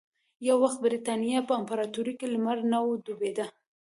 یو وخت د برېتانیا په امپراتورۍ کې لمر نه ډوبېده.